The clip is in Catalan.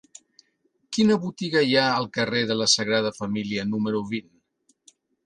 Quina botiga hi ha al carrer de la Sagrada Família número vint?